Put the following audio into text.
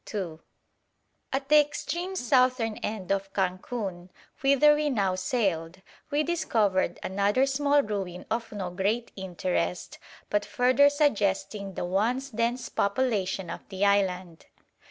] At the extreme southern end of Cancun, whither we now sailed, we discovered another small ruin of no great interest, but further suggesting the once dense population of the island.